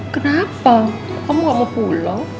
kenapa kamu gak mau pulang